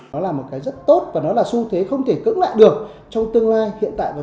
nó là một cái rất tốt và nó là xu thế không thể cứng lại